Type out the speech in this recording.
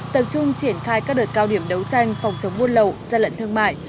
tập trung triển khai các đợt cao điểm đấu tranh phòng chống buôn lậu gian lận thương mại